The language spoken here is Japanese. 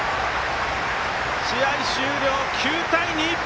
試合終了、９対２。